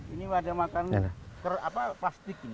ini ada makanan plastik